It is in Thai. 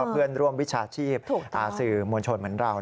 เพื่อนร่วมวิชาชีพสื่อมวลชนเหมือนเรา